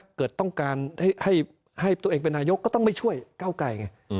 เกิดต้องการให้ตัวเองเป็นนายกก็ต้องไม่ช่วยเก้าไกลไง